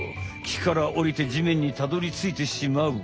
木からおりて地面にたどりついてしまう。